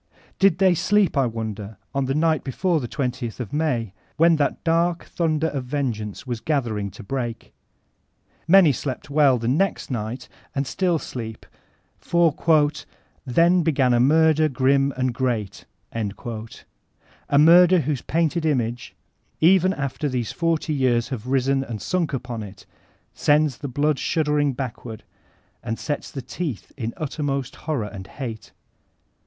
Did they sleep, I wonder, on the night before the JOth of May, when that dark thunder of vengeance was gather ing to break ? Many slept well the next night, and still sleep; for ''then began a murder grim and great, — a murder whose painted image, even after these forty jrears have risen and sunk upon it, sends the blood shuddering backward, and sets the teeth in uttermost horror and hate.